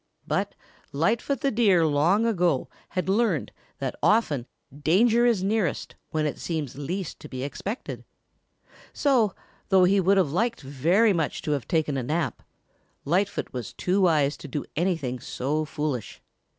But Lightfoot long ago had learned that often danger is nearest when it seems least to be expected. So, though he would have liked very much to have taken a nap, Lightfoot was too wise to do anything so foolish.